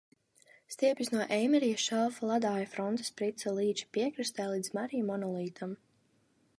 Stiepjas no Eimerija šelfa ledāja frontes Prica līča piekrastē līdz Marija monolītam.